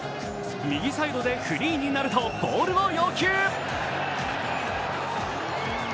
右サイドでフリーになるとボールを要求。